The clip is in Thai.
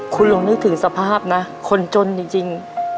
คุณลองนึกถึงสภาพนะคนจนจริง